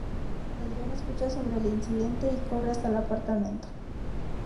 Adrian escucha sobre el incidente y corre hasta el apartamento.